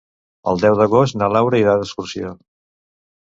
El deu d'agost na Laura irà d'excursió.